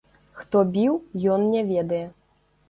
Хто біў, ён не ведае.